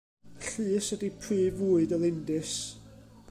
Llus ydy prif fwyd y lindys.